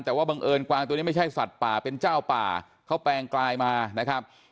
แต่ว่าบังเอิญกวางตัวนี้ไม่ใช่สัตว์ป่าเป็นเจ้าป่าเขาแปลงกลายมานะครับ